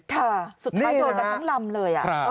ค่ะสุดท้ายโดนกันทั้งลำเลย